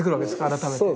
改めて。